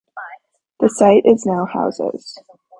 The site is now houses.